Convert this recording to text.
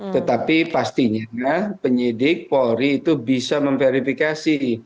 tetapi pastinya penyidik polri itu bisa memverifikasi